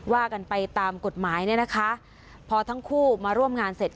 ว่ากันไปตามกฎหมายเนี่ยนะคะพอทั้งคู่มาร่วมงานเสร็จ